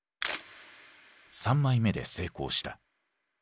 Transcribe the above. ３枚目で成功した。